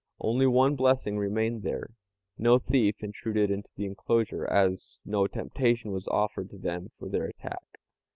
Only one blessing remained there no thief intruded into the enclosure, as no temptation was offered to them for their attack.